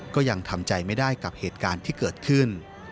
ก็ยังทำใจไม่ได้กับเหตุการณ์ที่เกิดขึ้น